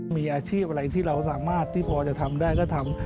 มีอาชีพอะไรที่เราสามารถที่พอจะทำได้ก็ทำ